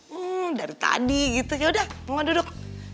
hmm dari tadi gitu yaudah mau duduk